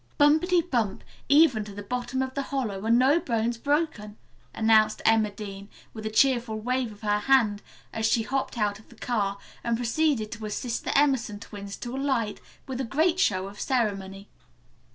"Bumpity bump, even to the bottom of the hollow, and no bones broken," announced Emma Dean, with a cheerful wave of her hand, as she hopped out of the car, and proceeded to assist the Emerson twins to alight with a great show of ceremony.